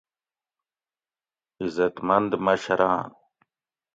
عیزتمند مشراۤن